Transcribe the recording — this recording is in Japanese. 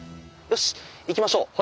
よしいきましょう。